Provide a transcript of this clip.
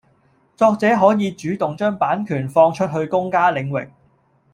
作者可以主動將版權放出去公家領域